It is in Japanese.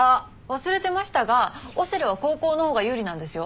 忘れてましたがオセロは後攻のほうが有利なんですよ。